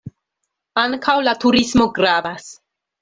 Ankaŭ la turismo gravas.